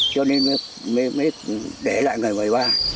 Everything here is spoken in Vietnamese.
cho nên mới để lại người một mươi ba